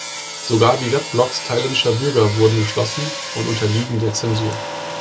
Sogar die Weblogs thailändischer Bürger wurden geschlossen und unterliegen der Zensur.